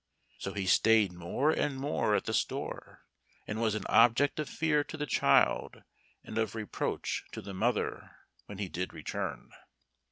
So he stayed more and more at the store, and was an object of fear to the child and of reproach to the mother when he did return.